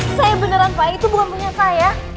saya beneran pak itu bukan punya saya